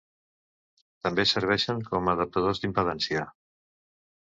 També serveixen com a adaptadors d'impedància.